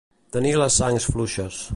Tenir les sangs fluixes.